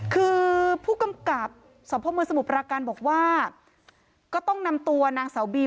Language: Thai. คือผู้กำกับสพมสมุทรปราการบอกว่าก็ต้องนำตัวนางสาวบี